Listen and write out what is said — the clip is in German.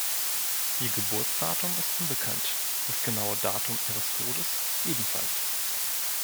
Ihr Geburtsdatum ist unbekannt, das genaue Datum ihres Todes ebenfalls.